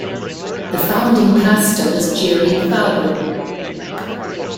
The founding pastor was Jerry Falwell.